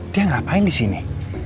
dia ngapain di sini